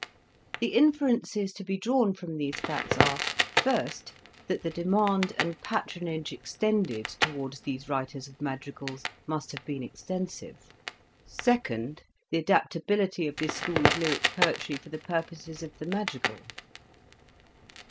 The inferences to be drawn from these facts are : ist, that the demand and patronage extended towards these writers of madrigals must have been extensive ; and, the adaptability of this school of lyric poetry for the purposes of the madrigal.